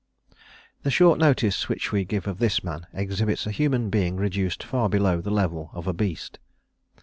The short notice which we give of this man exhibits a human being reduced far below the level of a beast.